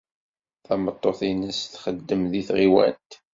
Tameṭṭut-nnes txeddem deg tɣiwant.